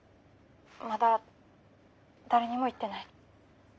☎まだ誰にも言ってない。